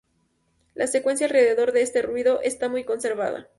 La secuencia alrededor de este residuo está muy conservada.